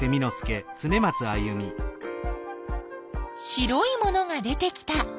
白いものが出てきた。